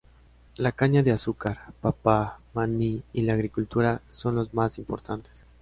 La caña de azúcar, papa, maní y la agricultura son los más importantes.